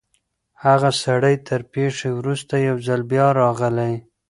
هغه سړی تر پېښي وروسته یو ځل بیا راغلی.